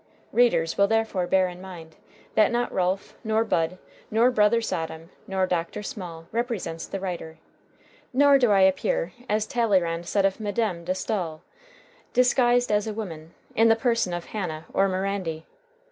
Readers will therefore bear in mind that not Ralph nor Bud nor Brother Sodom nor Dr. Small represents the writer, nor do I appear, as Talleyrand said of Madame de Staël, "disguised as a woman," in the person of Hannah or Mirandy.